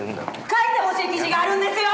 書いてほしい記事があるんですよ！